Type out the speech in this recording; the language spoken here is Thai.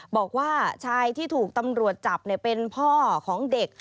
บอกว่าชายที่ถูกตำรวจจับเป็นพ่อของเด็ก